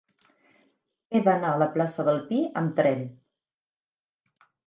He d'anar a la plaça del Pi amb tren.